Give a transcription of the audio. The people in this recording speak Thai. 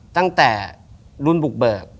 ตั้งแต่รุ่นบุกเบิก